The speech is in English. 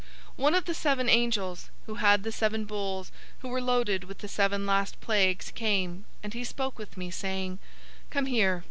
021:009 One of the seven angels who had the seven bowls, who were loaded with the seven last plagues came, and he spoke with me, saying, "Come here.